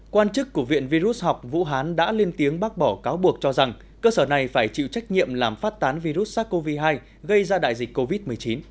quan chức của viện virus học vũ hán đã lên tiếng bác bỏ cáo buộc cho rằng cơ sở này phải chịu trách nhiệm làm phát tán virus sars cov hai gây ra đại dịch covid một mươi chín